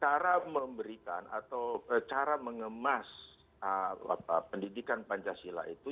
cara memberikan atau cara mengemas pendidikan pancasila itu